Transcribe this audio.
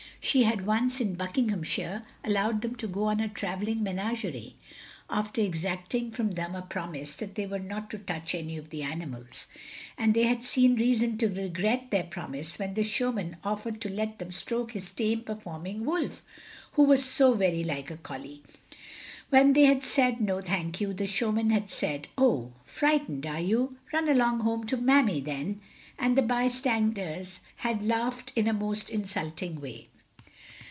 She had once, in Buckinghamshire, allowed them to go to a traveling menagerie, after exacting from them a promise that they were not to touch any of the animals, and they had seen reason to regret their promise when the showman offered to let them stroke his tame performing wolf, who was so very like a collie. When they had said, "No, thank you," the showman had said, "Oh, frightened, are you? Run along home to Mammy then!" and the bystanders had laughed in a most insulting way.